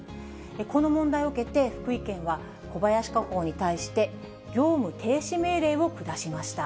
この問題を受けて、福井県は小林化工に対して、業務停止命令を下しました。